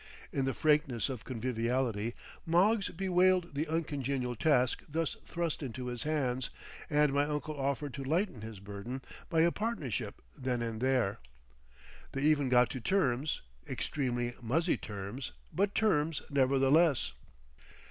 In the frankness of conviviality, Moggs bewailed the uncongenial task thus thrust into his hands, and my uncle offered to lighten his burden by a partnership then and there. They even got to terms—extremely muzzy terms, but terms nevertheless.